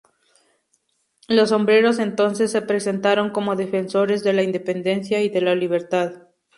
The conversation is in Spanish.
Los "sombreros" entonces se presentaron como defensores de la independencia y de la libertad.